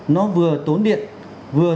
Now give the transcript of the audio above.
nó vừa tốn điện vừa